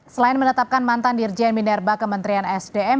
selain menetapkan mantan dirjen minerva kementerian esdm